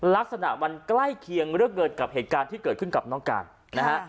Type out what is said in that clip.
ลักษณะมันใกล้เคียงเรื่องเกิดกับเหตุการณ์ที่เกิดขึ้นกับน้องการนะฮะ